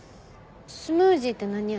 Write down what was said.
スムージーって何味？